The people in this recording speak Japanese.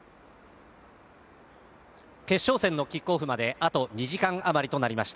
決勝戦のキックオフまであと２時間あまりとなりました